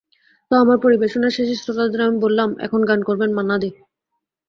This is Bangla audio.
তো, আমার পরিবেশনার শেষে শ্রোতাদের আমি বললাম, এখন গান করবেন মান্না দে।